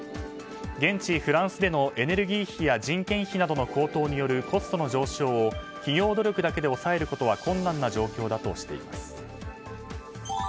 現地フランスでのエネルギー費や人件費の高騰によるコストの上昇を企業努力だけで抑えることは困難な状況だとしています。